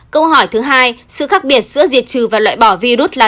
câu hỏi thứ hai sự khác biệt giữa diệt trừ và loại bỏ virus là